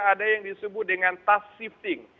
ada yang disebut dengan tas shifting